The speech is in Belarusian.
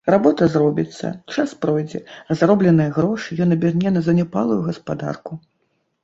Работа зробіцца, час пройдзе, а заробленыя грошы ён аберне на заняпалую гаспадарку.